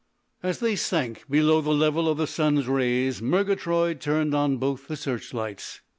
As they sank below the level of the sun rays, Murgatroyd turned on both the searchlights.